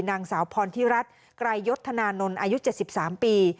นางสาวพรทิรัฐไกรยศธนานนท์อายุ๗๓ปี